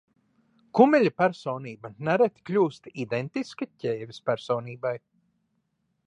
Kumeļa personība nereti kļūst identiska ķēves personībai.